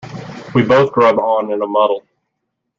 We both grub on in a muddle.